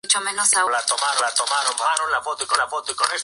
Es la ciudad natal de cantante de country Glen Campbell.